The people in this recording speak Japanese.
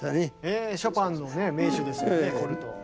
ショパンの名手ですよねコルトー。